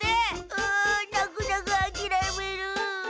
うなくなくあきらめる。